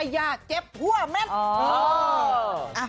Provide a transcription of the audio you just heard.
ยาเจ็บหัวเม็ด